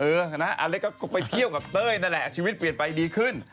อเล็กก็ไปเที่ยวกับเต้ยนั่นแหละชีวิตเปลี่ยนไปดีขึ้น